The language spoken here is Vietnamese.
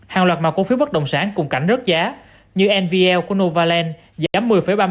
hàng loạt mạng cổ phiếu bất động sản cùng cảnh rớt giá như nvl của novaland giám một mươi ba mươi bốn